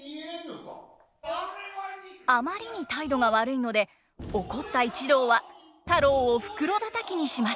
あまりに態度が悪いので怒った一同は太郎を袋だたきにします。